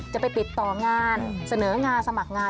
จะไปติดต่องานเสนองานสมัครงาน